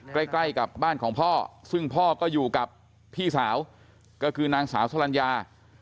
ใกล้ใกล้กับบ้านของพ่อซึ่งพ่อก็อยู่กับพี่สาวก็คือนางสาวสลัญญา